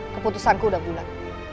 keputusanku udah bulat